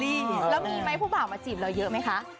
แล้วมีไหมภูเบามาจีนเราเยอะมั้ยคะ